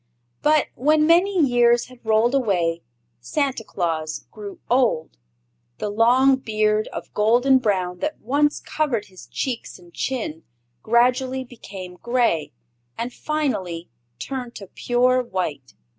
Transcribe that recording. But when many years had rolled away Santa Claus grew old. The long beard of golden brown that once covered his cheeks and chin gradually became gray, and finally turned to pure white.